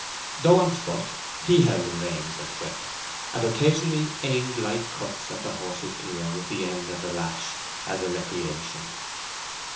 Though on foot, he held the reins and whip, and occasionally aimed light cuts at the horse's ear with the end of the lash, as a recreation.